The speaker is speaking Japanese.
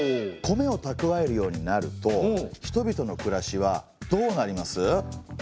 米をたくわえるようになると人々の暮らしはどうなります？